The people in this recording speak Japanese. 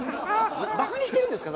バカにしてるんですか？